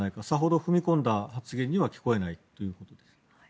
さほど踏み込んだ発言には聞こえないということです。